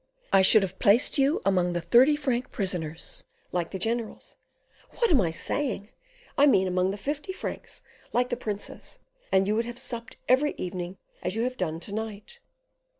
I should have placed you among the thirty franc prisoners, like the generals what am I saying? I mean among the fifty francs, like the princes, and you would have supped every evening as you have done to night."